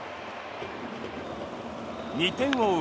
２点を追う